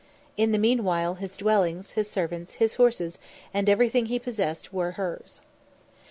In the meanwhile his dwellings, his servants, his horses and everything he was possessed of were hers.